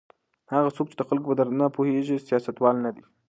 هغه څوک چې د خلکو په درد نه پوهیږي سیاستوال نه دی.